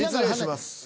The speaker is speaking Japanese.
失礼します。